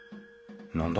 何だ？